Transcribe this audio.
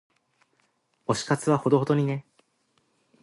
推し活はほどほどにね。